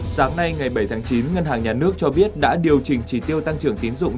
sáng nay ngày bảy tháng chín ngân hàng nhà nước cho biết đã điều chỉnh chỉ tiêu tăng trưởng tín dụng